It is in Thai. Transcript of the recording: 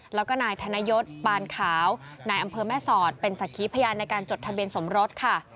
แล้วก็นายธนยศปานขาวนายอำเภอแม่สอดเป็นสักขีพยานในการจดทะเบียนสมรสค่ะ